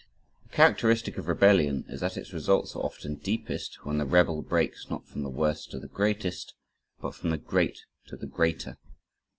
A characteristic of rebellion, is that its results are often deepest, when the rebel breaks not from the worst to the greatest, but from the great to the greater.